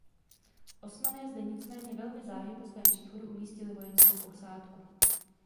Osmané zde nicméně velmi záhy po svém příchodu umístili vojenskou posádku.